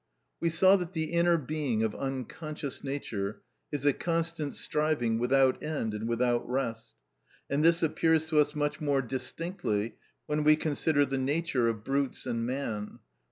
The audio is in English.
We saw that the inner being of unconscious nature is a constant striving without end and without rest. And this appears to us much more distinctly when we consider the nature of brutes and man.